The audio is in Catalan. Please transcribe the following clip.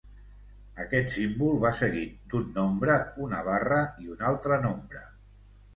Aquest símbol va seguit d'un nombre, una barra, i un altre nombre.